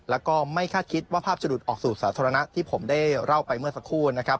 แล้วก็ไม่คาดคิดว่าภาพจะหลุดออกสู่สาธารณะที่ผมได้เล่าไปเมื่อสักครู่นะครับ